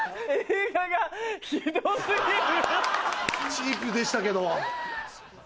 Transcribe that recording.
チープでしたけど。